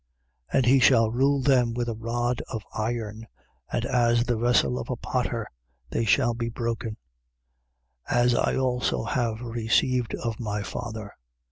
And he shall rule them with a rod of iron: and as the vessel of a potter they shall be broken: 2:28. As I also have received of my Father.